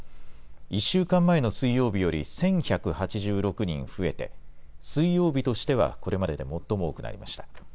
１週間前の水曜日より１１８６人増えて、水曜日としてはこれまでで最も多くなりました。